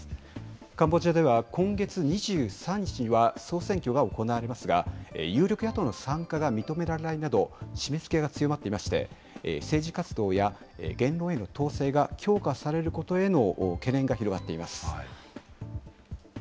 カンボジアでは今月２３日には総選挙が行われますが、有力野党の参加が認められないなど、締めつけが強まっていまして、政治活動や言論への統制が強化されることへの懸念が広がっています。